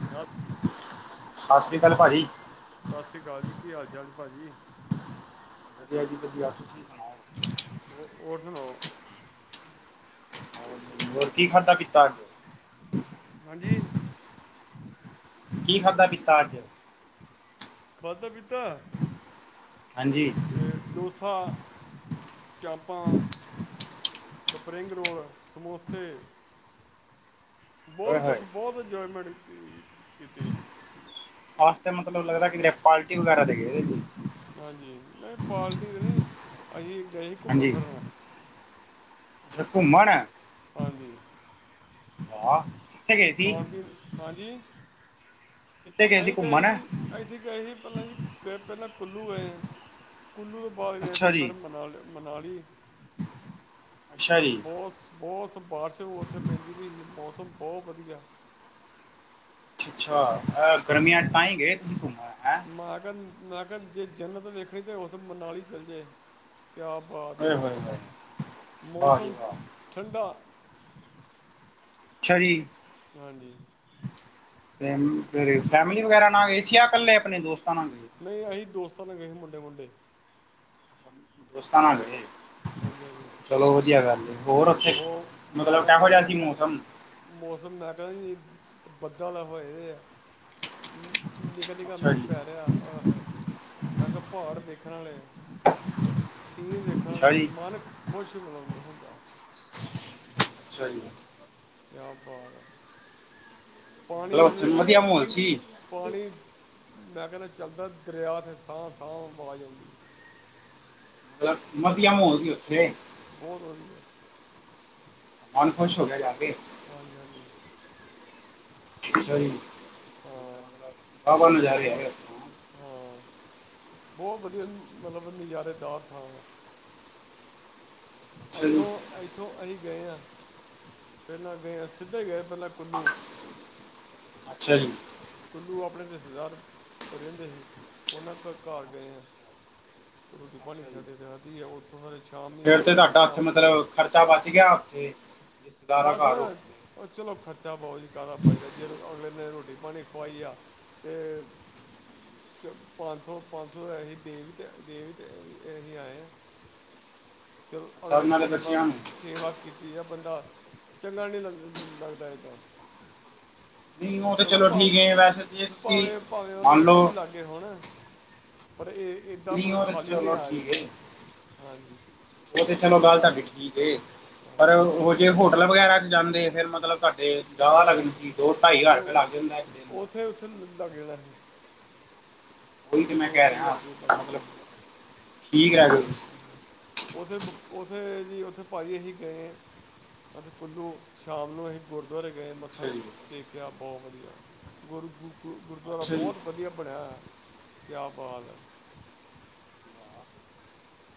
[inaudible] ਸਤਿ ਸ੍ਰੀ ਅਕਾਲ ਭਾਜੀ ਸਤਿ ਸ਼੍ਰੀ ਅਕਾਲ ਜੀ ਕੀ ਹਾਲ ਚਾਲ ਭਾਜੀ ਵਧੀਆ ਜੀ ਵਧੀਆ ਤੁਸੀਂ ਸੁਣਾਓ ਹੋਰ ਸੁਣਾਓ ਹੋਰ ਕੀ ਖਾਦਾ ਪਿੱਤਾ ਹਾਂਜੀ ਕੀ ਖਾਧਾ ਪੀਤਾ ਅੱਜ ਖਾਦਾ ਪੀਤਾ ਹਾਂਜੀ ਅਤੇ ਡੋਸਾ, ਚਾਮਪਾਂ ਸਪਰਿੰਗ ਰੋਲ, ਸਮੋਸੇ ਹੋਏ ਬਹੁਤ ਹੋਏ ਕੁਛ ਬਹੁਤ ਇੰਜੋਏਮੈਂਟ ਕੀਤੀ ਵਾਸਤੇ ਮਤਲਬ ਲੱਗਦਾ ਕਿ ਪਾਰਟੀ ਵਗੈਰਾ ਦੇਗੇ ਜੀ ਹਾਂਜੀ ਨਹੀਂ ਪਾਰਟੀ ਤਾਂ ਨਹੀਂ ਅਸੀਂ ਗਏ ਸੀ ਘੁੰਮਣ ਹਾਂਜੀ ਫਿਰਨ ਅੱਛਾ ਘੁੰਮਣ। ਹਾਂਜੀ। ਹਾਂ। ਖਾਣ ਪੀਣ ਹਾਂਜੀ ਅਸੀਂ ਗਏ ਸੀ ਜੀ। ਅਸੀਂ ਗਏ ਸੀ ਪਹਿਲਾਂ ਜੀ ਗਏ ਪਹਿਲਾਂ ਕੁੱਲੂ ਗਏ ਕੁੱਲੂ ਤੋਂ ਬਾਅਦ ਗਏ ਫਿਰ ਅੱਛਾ ਜੀ ਫਿਰ ਮਨਾਲੀ। ਮਨਾਲੀ ਅੱਛਾ ਜੀ ਬਹੁਤ। ਬਹੁਤ ਬਾਰਿਸ਼ ਉੱਥੇ ਪੈਂਦੀ ਵੀ ਸੀ ਮੌਸਮ ਬਹੁਤ ਵਧੀਆ। ਅੱਛਾ ਅੱਛਾ ਗਰਮੀਆਂ 'ਚ ਤਾਂ ਹੀ ਗਏ ਤੁਸੀਂ ਘੁੰਮਣਾ ਹੈਂ। ਮਗਨ ਮੈਂ ਕਿਹਾ ਜੇ ਜੰਨਤ ਵੇਖਣੀ ਤਾਂ ਉੱਥੇ ਮਨਾਲੀ ਚੱਲ ਜਾਵੇ। ਕਿਆ ਬਾਤ ਹੈ ਹੋਏ ਹੋਏ ਹੋਏ ਵਾਹ ਜੀ ਮੌਸਮ ਵਾਹ ਠੰਡਾ। ਅੱਛਾ ਜੀ। ਹਾਂਜੀ। ਫਿਰ ਫੈਮਿਲੀ ਵਗੈਰਾ ਨਾਲ ਗਈ ਸੀ ਜਾਂ ਕੱਲੇ ਆਪਣੇ ਦੋਸਤਾਂ ਨਾਲ। ਨਹੀਂ ਅਸੀਂ ਦੋਸਤਾਂ ਨਾਲ ਗਏ ਸੀ ਮੁੰਡੇ ਮੁੰਡੇ। ਸੀ ਦੋਸਤਾਂ ਨਾ ਗਏ। ਹਾਂਜੀ ਹਾਂਜੀ। ਚਲੋ ਵਧੀਆ ਗੱਲ ਹੈ। ਹੋਰ ਉੱਥੇ ਬਹੁਤ ਮੈਂ ਮਤਲਬ ਕਿਹਾ ਕਿਹੋ ਬਹੁਤ ਜਿਹਾ ਸੀ ਵਧੀਆ ਮੌਸਮ। ਮੌਸਮ ਮੈਂ ਕਹਿਣਾ ਜੀ ਬੱਦਲ ਹੋਏ ਹੋਏ ਹੈ। ਨਿੱਕਾ ਨਿੱਕਾ ਅੱਛਾ ਮੀਂਹ ਜੀ ਪੈ ਰਿਹਾ ਹੈ ਓਏ ਹੋਏ। ਮੈਂ ਕਿਹਾ ਪਹਾੜ ਦੇਖਣ ਵਾਲੇ ਆ ਸੀਨ ਦੇਖਣ ਵਾਲੇ ਅੱਛਾ ਆ ਜੀ ਮਨ ਖੁਸ਼ ਮਿਲ ਮਿਲ ਹੁੰਦਾ ਹੈ। ਸਹੀ ਹੈ। ਕਿਆ ਬਾਤ ਹੈ ਪਾਣੀ ਮਤਲਬ ਉੱਥੇ। ਵਧੀਆ ਮਾਹੌਲ ਸੀ ਪਾਣੀ ਮੈਂ ਕਹਿਣਾ ਚੱਲਦਾ ਦਰਿਆ ਸਾਹ ਸਾਹ ਆਵਾਜ਼ ਆਉਂਦੀ ਹੈ। ਮਤਲਬ ਵਧੀਆ ਮਹੌਲ ਸੀ ਉੱਥੇ। ਬਹੁਤ ਵਧੀਆ। ਮਨ ਖੁਸ਼ ਹੋ ਗਿਆ ਜਾ ਕੇ। ਹਾਂਜੀ ਹਾਂਜੀ। ਸਹੀ ਹੈ ਹਾਂ ਹਾਂ ਪਰ ਨਜ਼ਾਰੇ ਬਹੁਤ ਹੈਗੇ। ਹਾਂ ਬਹੁਤ ਵਧੀਆ ਮਤਲਬ ਨਜ਼ਾਰੇ ਦਾਰ ਥਾਂ ਹੈ। ਅੱਛਾ ਜੀ ਇੱਥੋਂ ਇੱਥੋਂ ਅਸੀਂ ਗਏ ਹਾਂ ਪਹਿਲਾਂ ਗਏ ਹਾਂ ਸਿੱਧੇ ਗਏ ਪਹਿਲਾਂ ਕੁੱਲੂ। ਅੱਛਾ ਜੀ। ਕੁੱਲੂ ਆਪਣੇ ਰਿਸ਼ਤੇਦਾਰ ਰਹਿੰਦੇ ਸੀ ਉਹਨਾਂ ਘਰ ਘਰ ਗਏ ਹਾਂ। ਰੋਟੀ ਪਾਣੀ ਅੱਛਾ ਇੱਥੇ ਜੀ ਆਕੇ ਖਾਧੀ ਹੈ ਉੱਥੋਂ ਫੇਰ। ਫੇਰ ਤੇ ਤੁਹਾਡਾ ਉੱਥੇ ਮਤਲਬ ਖਰਚਾ ਬਚ ਗਿਆ ਉੱਥੇ। ਰਿਸ਼ਤੇਦਾਰਾਂ ਬਸ ਘਰ ਰੁਕ ਗਏ ਉਹ ਚਲੋ ਖਰਚਾ ਬਹੁਤ ਜੀ ਕਿਹਦਾ ਫਾਇਦਾ ਜੇ ਅਗਲੇ ਦਿਨ ਰੋਟੀ ਪਾਣੀ ਖਆਈ ਆ। ਤੇ। ਚ ਪੰਜ ਸੌ ਪੰਜ ਸੌ ਅਸੀਂ ਦੇਵ ਦੇਵਤ ਅਸੀਂ ਆਏ ਹਾਂ। ਚਲੋ ਅੱਛਾ ਅਗਲੇ ਨੇ ਉਹਨਾਂ ਦੇ ਸੇਵਾ। ਬੱਚਿਆਂ ਨੂੰ ਸੇਵਾ ਕੀਤੀ ਹੈ ਬੰਦਾ ਚੰਗਾ ਨਹੀਂ ਲੱਗਦਾ ਲੱਗਦਾ ਇੱਦਾਂ। ਨਹੀਂ ਉਹ ਤਾਂ ਚਲੋ ਭਾਵੇਂ ਠੀਕ ਹੈ ਵੈਸੇ ਜੇ ਤੁਸੀਂ ਭਾਵੇਂ ਭਾਵੇਂ ਉਹਨਾਂ ਮੰਨ ਦੇ ਵੱਧ ਲਓ ਹੀ ਲਾਗੇ। ਲਾਗੇ ਹੋਣ ਪਰ ਇਹ ਏਦਾਂ ਨਹੀਂ ਮਤਲਬ ਉਹ ਤਾਂ ਖਾਲੀ ਵੀ ਨਹੀਂ ਚਲੋ ਆਇਆ ਠੀਕ ਹੈ ਜਾਂਦਾ ਹਾਂਜੀ। ਉਹ ਤੇ ਚਲੋ ਗੱਲ ਤੁਹਾਡੀ ਠੀਕ ਹੈ ਪਰ ਉਹ। ਜੇ ਹੋਟਲ ਵਗੈਰਾ 'ਚ ਜਾਂਦੇ ਫੇਰ ਮਤਲਬ ਤੁਹਾਡੇ ਜ਼ਿਆਦਾ ਲੱਗਦੀ ਸੀ ਦੋ ਢਾਈ ਹਜ਼ਾਰ ਰੁਪਇਆ ਲੱਗ ਜਾਂਦਾ ਇੱਕ। ਦਾ। ਫੇਰ ਉੱਥੇ ਲੱਗ ਜਾਣਾ ਸੀ। ਉਹੀ ਤੇ ਉਥੇ ਮੈਂ ਕਹਿ ਢਾਈ ਹਜ਼ਾਰ ਰਿਹਾ ਰੁਪਏ ਲੱਗ ਜਾਣਾ ਮਤਲਬ ਠੀਕ ਰਹਿ ਗਏ ਤੁਸੀਂ। ਉੱਥੇ ਉੱਥੇ ਜੀ ਉੱਥੇ ਭਾਜੀ ਅਸੀਂ ਗਏ। ਅਤੇ ਕੁੱਲੂ ਸ਼ਾਮ ਨੂੰ ਅਸੀਂ ਗੁਰਦੁਆਰੇ ਗਏ ਮੱਥਾ ਅੱਛਾ ਜੀ, ਟੇਕਿਆ ਬਹੁਤ ਵਧੀਆ। ਗੁਰ ਗ ਗ ਗੁਰਦੁਆਰਾ ਅੱਛਾ ਜੀ। ਬਹੁਤ ਵਧੀਆ ਬਣਿਆ ਹੋਇਆ ਹੈ। ਕਿਆ ਬਾਤ ਹੈ।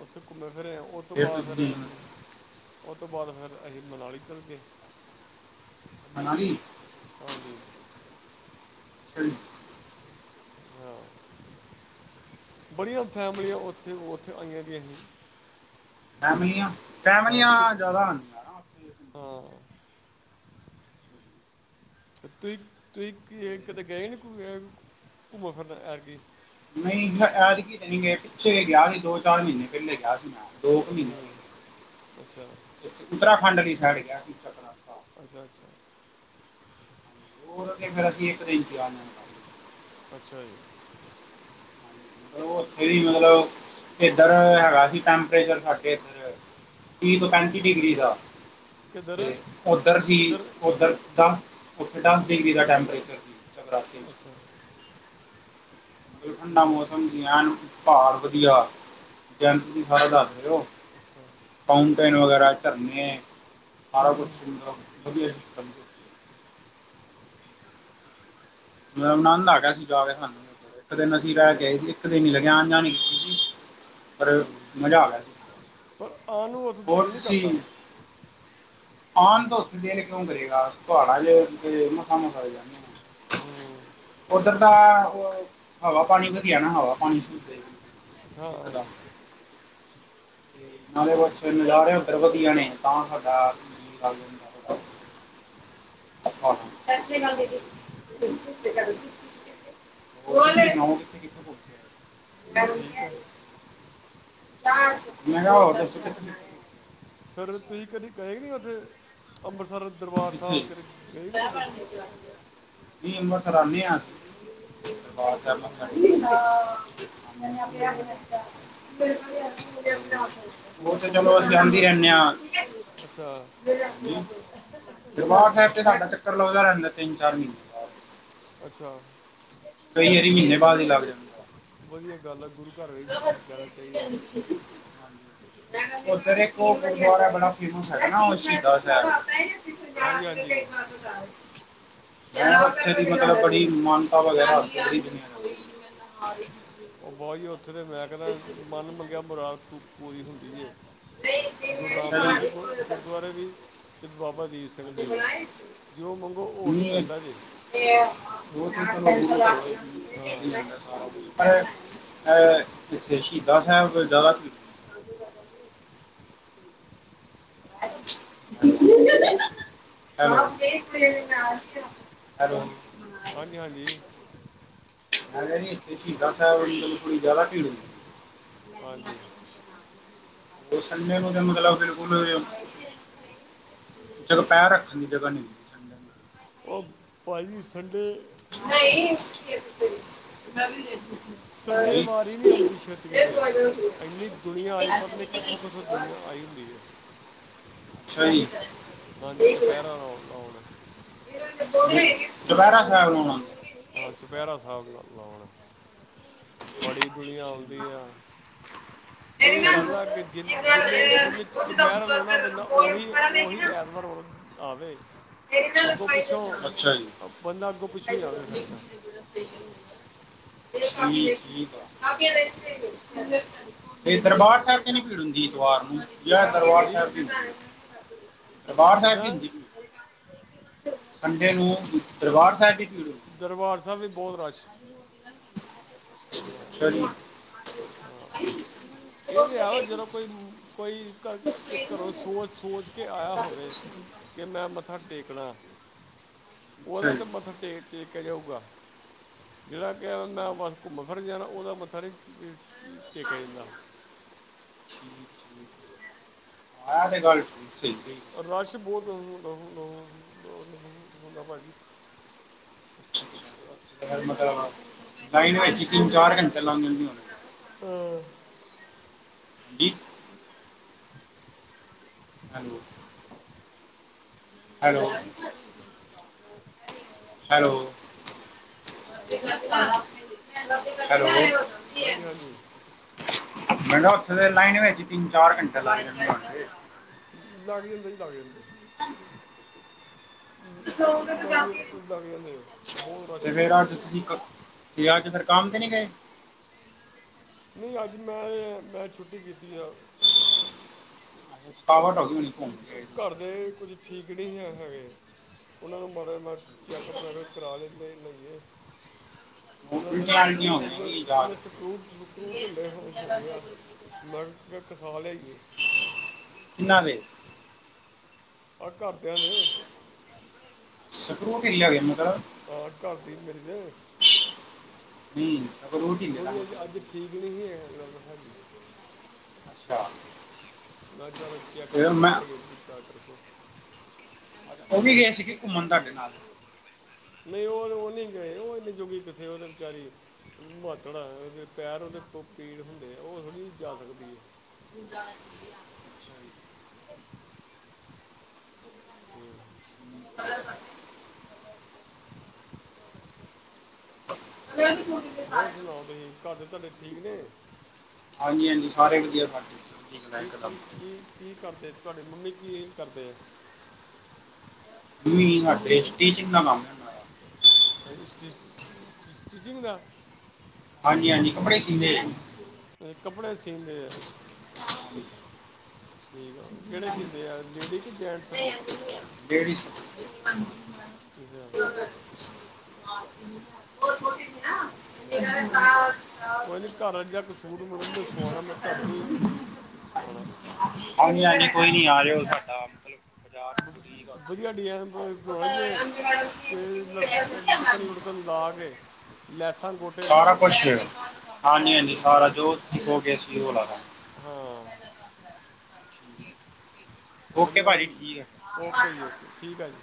ਉੱਥੇ ਘੁੰਮੇ ਫਿਰੇ ਆਂ, ਉਹ ਤੋਂ ਤਾਂ ਬਾਅਦ ਫਿਰ ਤੁਸੀਂ ਅਹੀਂ ਉਹ ਤੋਂ ਬਾਅਦ ਫਿਰ ਅਹੀਂ ਮਨਾਲੀ ਚੱਲ ਗਏ। ਮਨਾਲੀ ਹਾਂਜੀ ਅੱਛਾ ਜੀ। ਹਾਂ। ਬੜੀਆਂ ਫੈਮਲੀਆਂ ਉੱਥੇ- ਉੱਥੇ ਆਈਆਂ ਦੀਆਂ ਹੀ। ਫੈਮਲੀਆਂ, ਹਾਂ ਫੈਮਲੀਆਂ ਛੁੱਟ ਜ਼ਿਆਦਾ ਹਨ। ਹਾਂ। ਤੁਸੀਂ, ਤੁਸੀਂ ਕੀਏ ਤੇ ਕਿਤੇ ਗਏ ਨਹੀਂ ਘੁਯਨ, ਘੁੰਮਣ-ਫਿਰਨ ਐਤਕੀ? ਨਹੀਂ ਐਦਗੀ ਤੇ ਨਹੀਂ ਗਏ, ਪਿੱਛੇ ਗਿਆ ਸੀ। ਦੋ-ਚਾਰ ਮਹੀਨੇ ਪਹਿਲੇ ਗਿਆ ਸੀ ਮੈਂ। ਦੋ ਕੁ ਮਹੀਨੇ, ਹੂੰ ਅੱਛਾ ਉਤਰਾਖੰਡ ਆਲ਼ੀ ਸਾਈਡ ਗਿਆ ਸੀ, ਉਤਰਾਖੰਡ ਆਲ਼ੀ। ਅੱਛਾ-ਅੱਛਾ। ਹੋਰ ਅੱਗੇ ਫੇਰ ਅਸੀਂ ਇੱਕ ਦਿਨ ਚ -ਜਾਣ ਅੱਛਾ ਜੀ। ਉੱਥੇ ਵੀ ਮਤਲਬ, ਇੱਧਰ ਹੈਗਾ ਸੀ ਟੈਂਪਰੇਚਰ ਸਾਡੇ ਇਧਰ ਤੀ ਤੋਂ ਪੈਂਤੀ ਡਿਗਰੀ ਦਾ ਕਿੱਧਰ ਤੇ ਓਧਰ ਸੀ, ਕਿੱਧਰ ਓਧਰ ਦਸ, ਉੱਥੇ ਦਸ ਡਿਗਰੀ ਦਾ ਟੈਂਪਰੇਚਰ ਸੀ। ਜਗਰਾਤੇ ਅੱਛਾ। ਓਥੇ ਠੰਡਾ ਹੂੰ ਮੌਸਮ ਸੀ, ਐਨ ਪਹਾੜ ਵਧੀਆ। ਜੈਵੇਂ ਤੁਸੀਂ ਸਾਰੇ ਦੱਸ ਰਹੇ ਹੋ। ਅੱਛਾ ਫਾਊਂਟੇਨ ਵਗੈਰਾ ਝਰਨੇ, ਸਾਰਾ ਕੁਛ ਹੂੰ ਸੀ, ਮਤਲਬ ਵਧੀਆ ਸੀ। [unintelligible] ਮਤਬ ਆਨੰਦ ਆ ਗਿਆ ਸੀ ਜਾ ਕੇ ਸਾਨੂੰ। ਇੱਕ ਦਿਨ ਅਸੀਂ ਰਹਿ ਕੇ ਹੂੰ ਆਏ ਸੀ। ਇੱਕ ਦਿਨ ਹੀ ਲਗਿਆ ਆਣ-ਜਾਣ ਈ। [inaudible] ਪਰ ਹੂੰ ਮਜ਼ਾ ਆ ਗਿਆ ਸੀ। ਪਰ ਆਉਣ ਨੂੰ ਉੱਥੇ ਹੋਰ ਦਿਲ ਨਹੀਂ ਤੁਸੀਂ ਕਰਦਾ [unintelligible] [unintelligible] ਔਨ ਦੌ ਜੇ ਕੋਨ ਕਰੇਗਾ ਪਾੜਾ ਚ [unintelligible] [unintelligible] ਹੂ ਜਾਂਦੇ ਹਾਂ, ਹੂੰ ਉੱਧਰ ਦਾ ਹਵਾ ਪਾਣੀ ਵਧਿਆ ਨਾ, ਹਵਾ ਪਾਣੀ [unintelligible] ਹਾਂ ਇਕਦਮ, ਤੇ ਨਾਲੇ [unintelligible] ਨਜ਼ਾਰੇ? ਸਭ ਵਧੀਆਂ ਨੇ ਤਾ ਸਾਡਾ [unintelligible] [unintelligible] ਸਾਸ੍ਰੀ ਕਾਲ ਦੀਦੀ। [unintelligible] ਸਾਸੀ ਕਾਲ ਜੀ [inaudible] [unintelligible] ਔਲੇ ਨੂ ਬਸ ਠੀਕ ਹੈ। ਮੈਂ ਕਿਹਾ ਹੋਰ [unintelligible] ਫਿਰ ਤੁਸੀਂ ਕਦੇ ਗਏ ਨਹੀਂ ਉੱਥੇ? ਅੰਬਰਸਰ, ਕਿੱਥੇ ਦਰਬਾਰ ਕਿੱਥੇ ਸਾਹਿਬ ਕਦੇ ਗਏ ਨੀਂ ਕਦੀ? [inaudible] ਵੀ ਮਖਰਾਨੇ ਆਂ। [unintelligible] [inaudible] [unintelligible] ਅੱਛਾ ਹੂੰ ਉਹ ਹੋਰ ਤੇ ਮੰਮੀ ਚਲੋ, ਅਸੀਂ ਧੜਕੀ ਆਦੇ ਹੀ ਰੈਂਦੇ ਕੀ ਆਂ। ਅੱਛਾ [inaudible] ਦਰਬਾਰ ਸਾਹਿਬ ਤੇ ਸਾਡਾ ਚੱਕਰ ਲੱਗਦਾ ਰਹਿੰਦਾ, ਤਿੰਨ ਚਾਰ ਮਹੀਨੇ। ਬਾਅਦ ਅੱਛਾ, ਕਈ ਚਲੋ ਵਾਰੀ ਵਧੀਆ ਮਹੀਨੇ ਗੱਲ ਬਾਅਦ ਹੀ ਆ। ਲੱਗ ਜਾਂਦਾ ਵਧੀਆ ਗੱਲ ਆ, ਗੁਰੂ ਘਰ ਵਿੱਚ ਜਾਣਾ ਚਾਹੀਦੈ। ਓਧਰ ਏਕ ਓਹ ਗੁਰੂਦਵਾਰਾ ਬੜਾ ਫੇਮਸ ਹੈਗਾ ਨਾਂ, ਓਹ ਸ਼ਹੀਦ ਸਾਹਿਬ। ਹਾਂਜੀ-ਹਾਂਜੀ। [inaudible] [inaudible] ਉਥੇ ਦੀ ਮਤਲਬ ਬੜੀ ਮਾਨਤਾ ਵਗੈਰਾ [unintelligible] ਉਹ ਬਹੁਤ ਜੀ ਉੱਥੇ ਤੇ ਮੈਂ ਕਹਿੰਦਾ ਮਨ ਮੰਗਿਆ ਮੁਰਾਦ ਤੂੰ ਪੂਰੀ ਹੁੰਦੀ ਏ। ਗੁਰੂ ਰਾਮਦਾਸ ਦੇ ਗੁਰ ਗੁਰਦੁਆਰੇ ਵੀ ਤੇ ਬਾਬਾ ਦੀਪ ਸਿੰਘ ਹਾਂਜੀ ਦੇ ਵੀ। ਜੋ ਮੰਗੋ ਉਹੀ ਮਿਲਦਾ ਜੇ। ਤੇ [inaudible] [unintelligible] ਏ, ਹਾਂ ਏ, ਜਿਥੇ ਸ਼ਹੀਦਾਂ ਸਾਹਿਬ ਗੁਰੂਦਵਾਰਾ ਸੀ। ਹੈਲੋ। ਹੈਲੋ। ਹਾਂਜੀ ਹਾਂਜੀ ਮੈਂ ਕਿਹਾ ਸੀ। ਜਿੱਥੇ ਸ਼ਹੀਦਾ ਸਾ਼ਹਿਬ ਗੁਰਦੁਆਰਾ ਸੀ? ਹਾਂਜੀ ਉਹ ਸੰਡੇ ਨੂੰ ਮਤਲਬ ਬਿਲਕੁਲ ਵੀ ਉਥੇ ਪੈਰ ਰੱਖਣ ਦੀ ਜਗ੍ਹਾ ਨਹੀਂ ਸੀ। ਸੰਡੇ ਨੂੰ ਉਹ ਭਾਅ ਜੀ। ਸੰਡੇ [unintelligible] ਸੰਡੇ ਹਾਂਜੀ ਵਾਰੀ ਨਹੀਂ ਆਉਂਦੀ। ਛੇਤੀ ਕਿਤੇ ਇੰਨੀ ਦੁਨੀਆਂ ਆਈ। ਪਤਾ ਨੀ, ਕਿੱਥੋਂ -ਕਿੱਥੋਂ ਦੁਨੀਆਂ ਆਈ ਹੁੰਦੀ ਐ। ਅੱਛਾ ਜੀ ਹਾਂਜੀ। ਚੁਪਹਿਰਾ ਲਾਉਣ- ਲਾਉਣ ਚੋਪਿਹਰਾ ਸਹਿਬ ਲਾਉਣ। ਆ ਚੁਪਹਿਰਾ ਸਾਹਿਬ ਲਾਉਣ। ਬੜੀ ਦੁਨੀਆਂ ਆਉਂਦੀ ਆ। [inaudible] ਇਹ ਗੱਲ ਆ। ਕਿ ਜ ਜਿੰਨੇ -ਜਿੰਨੇ ਚੁਪਹਿਰਾ ਲੋਣਾ ਬੰਦਾ ਹੀ ਉਹੀ ਐਤਵਾਰ ਆਣ। ਆਵੇ। [unintelligible] [unintelligible] ਅੱਗੋਂ ਪਿੱਛੋਂ ਅ- ਬੰਦਾ ਅੱਗੋਂ ਪਿੱਛੋਂ ਹੀ ਆਵੇ ਫਿਰ ਜਾ ਤੇ ਦਰਬਾਰ ਹਾਂ ਸਾਹਿਬ ਕਿ ਨ ਭੀੜ ਹੁੰਦੀ। ਐਤਵਾਰ ਨੂੰ? ਲੈ, ਦਰਬਾਰ ਹਾਂਜੀ ਸਾਹਿਬ ਵੀ, ਦਰਬਾਰ ਸਾਹਿਬ ਕਿਦਾਂ ਹੁੰਦੀਂ। ਸੰਡੇ ਨੂੰ ਦਰਬਾਰ ਸਾਹਿਬ ਦੀ ਭੀੜ ਹੁੰਦੀ। ਦਰਬਾਰ ਸਾਹਿਬ ਵੀ ਬਹੁਤ ਰਸ਼ ਸਹੀ ਹ, ਇਹ ਵੀ ਹੈ। ਜਿਵੇ ਕੋਈ-ਕੋਈ ਤੇ ਘਰੋਂ ਸੋਚ- ਸੋਚ ਕੇ ਆਇਆ ਹੋਵੇ। ਕਿ ਮੈਂ ਮੱਥਾ ਟੇਕਣਾ। ਅੱਛਾ ਉਹਦਾ ਜੀ ਤਾਂ ਮੱਥਾ ਟੇਕ, ਟੇਕਿਆ ਜਾਊਗਾ। ਜਿੜਾ, ਕਿ ਮੈਂ ਬਸ ਘੁੰਮਣ -ਫਿਰਨ ਜਾਣਾ। ਉਹਦਾ ਮੱਥਾ ਨਹੀਂ ਟੇਕਿਆ ਜਾਂਦਾ। ਠੀਕ -ਠੀਕ, ਆ ਤੇ ਗੱਲ ਠੀਕ ਸੀਗੀ। ਰਸ਼ ਬਹੁਤ ਹੁੰਦਾ -ਹੁੰਦਾ-ਹੁੰਦਾ। ਭਾਅ ਜੀ [unintelligible] ਮਤਲਬ ਲਾਇੰਨ ਚ ਤਿੰਨ-ਚਾਰ ਘੰਟੇ ਲੰਘਦੇ ਹੋਣੇ। ਅਹ ਹਾਂਜੀ। ਹਾਂਜੀ। Hello hello [unintelligible] hello. ਹਾਂਜੀ ਹਾਂਜੀ ਮੈ ਕਿਹਾ, ਉੱਥੇ ਤਾਂ ਲਾਈਨ ਵਿੱਚ ਤਿੰਨ-ਚਾਰ ਘੰਟੇ ਲੱਗ ਜਾਂਦੇ ਹੋਣ ਗੇ? ਲਾਗ ਜਾਂਦੇ ਜੀ, ਲੱਗ ਜਾਂਦੇ ਹੁੰਦੇ ਐ। [unintelligible] [inaudible] ਲੱਗ ਜਾਂ- ਲੱਗ ਜਾਂਦੇ ਬਹੁਤ ਰਸ਼ ਤੇ ਫੇਰ ਹੁੰਦਾ ਅ ਤੁਸੀ ਕਾ ਤੁਸੀਂ ਅੱਜ ਫਿਰ ਕੰਮ ਤੇ ਨੀ ਗੇ? ਨਈਂ ਅੱਜ ਮੈਂ, ਮੈਂ ਛੁੱਟੀ ਕੀਤੀ ਐ। ਸਾਵਣ, ਭਾਦੋਂ ਚ ਜਿਸ ਤਰ੍ਹਾਂ [unintelligible] ਘਰ ਦੇ ਕੁਝ ਠੀਕ ਨਈਂ ਹੈਗੇ। ਉਹਨਾਂ ਨੂੰ ਮਾੜਾ ਜਿਹਾ ਮੈਂ, ਅੱਛਾ ਚੈੱਕਅਪ ਵੈ ਕਰਾ ਲਈ ਲਿਆਈਏ। ਜੀ ਉਹਨਾਂ ਦੇ ਉਲਟੀਆਂ ਆਲਟੀਆਂ ਸਕਰੂ ਹੋ ਗਈਆਂ ਮਤਲਬ, ਜੀ ਜਾ ਉਹਨਾਂ ਸਕਰੂ- ਕੇ ਸਕਰੂ ਢਿੱਲੇ ਹੋ ਹੋਗੇ ਆ। ਮੈਂ ਕਿਆ, ਕਿਹਾ ਲਿਆਈਏ। ਕਿਨਾਂ ਦੇ? ਆ ਘਰਦਿਆਂ ਦੇ। ਸਕਰੂ ਢਿੱਲੇ ਹੋ ਗਏ ਮਤਲਬ? ਹਾਂ ਘਰ ਦੀ ਮੇਰੀ ਦੇ [unintelligible] ਹਂ ਥੋੜ੍ਹੀ ਅੱਜ, ਠੀਕ ਨਹੀਂ ਸੀ ਹੈਗੀ। ਅੱਛਾ [unintelligible] ਮੈਂ ਚੱਲ ਚੈੱਕਪ ਤੇ ਮੈਂ ਕਰ ਲਿਆਈ ਪੀ ਕੀਤਾ [unintelligible] ਉਹ ਵੀ ਗਏ ਸੀਗੇ, ਘੁੰਮਣ ਤੁਹਾਡੇ ਨਾਲ। ਨਈਂ ਉਹ ਉਹ ਨਈਂ ਗਏ, ਉਹ ਇੰਨੀ ਜੋਗੀ ਕਿਥੇ ਉਹਤੇ ਵਿਚਾਰੀ। ਮਾਤੜ ਆ, ਪੈਰ ਉਹਦੇ ਪੀੜ ਹੁੰਦੇ, ਉਹ ਥੋੜ੍ਹੀ ਜ ਜਾ ਸਕਦੀ ਆ। [unintelligible] [unintelligible] ਹਂ [unintelligible] [unintelligible] [unintelligible] ਹੋਰ ਸੁਣਾਓ ਤੁਸੀਂ, ਘਰ ਦੇ ਤੁਹਾਡੇ ਠੀਕ ਨੇਂ? ਹਾਂਜੀ ਹਾਂਜੀ, ਸਾਰੇ ਵਧੀਆ ਸਾਡੇ। ਠੀਕ ਲਾ ਕੀ ਕੀ ਇੱਕਦਮ ਕੀ ਕੀ ਕਰਦੇ? ਤੁਹਾਡੀ ਮੰਮੀ ਕੀ ਕਰਦੇ ਆ? ਮੰਮੀ ਕਰਦੇ ਸਟੀਚਿੰਗ ਦਾ ਕੰਮ। ਉਹਨਾਂ ਦਾ ਹਾਂ ਸਟੀਚਿੰ, ਸਟੀਚਿੰਗ ਦਾ। ਹਾਂਜੀ ਹਾਂਜੀ, ਕੱਪੜੇ ਸੀਂਦੇਆ। ਇਹ ਕੱਪੜੇ ਸੀਂਦੇ ਆ। ਹਂ [unintelligible] ਠੀਕ ਆ, ਕਿਹੜੇ ਸੀਂਦੇ ਆ ਲੇਡੀ ਕਿ ਜੈਂਟਸ ਜੀ? ਡੇੜੀਸ [unintelligible] [inaudible] [inaudible] ਚਲੋ ਠੀਕ ਆ। ਕੋਈ ਨਈਂ ਘਰ ਆ, ਜਾ ਕੇ ਸੂਟ ਮਲ ਸੁਆਉਣਾ ਮੈਂ, ਤੁਹਾਡੇ ਕੋਲ ਈ ਸਵਾਣਾ ਵ ਹਾਂਜੀ ਹਾਂਜੀ, ਕੋਈ ਨੀਂ ਆ ਜਿਓ, ਸਾਡਾ [inaudible] [inaudible] ਵ- ਵਧੀਆ ਡਿਜ਼ਾਈਨ ਬਣਾਉਣਾ ਜੇ [unintelligible] ਕਨ ਲਾਗੇ, ਲੈਸਾਂ ਗੋਟੇ ਸਾਰਾ ਲਾਗੇ। ਕੁਛ ਹਾਂਜੀ ਹਾਂਜੀ, ਸਾਰਾ ਜੋ ਤੁਸੀਂ ਕੋਹ ਗੇ ਅਸੀਂ ਉਹ ਲਾ ਦਾਂਗੇ। ਹਾਂ। ਦਾਂਗੇ। ਓਕੇ ਵਧੀਆ ਭਾਜੀ ਠੀਕ ਆ। ਓਕੇ ਜੀ ਓਕੇ ਠੀਕ ਹੈ ਜੀ